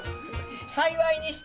幸いにして。